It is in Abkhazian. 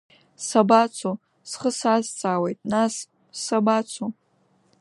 Сабацо, схы сазҵаауеит, нас, сабацо?